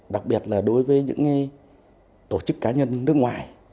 đặc biệt là đối với những tổ chức cá nhân nước ngoài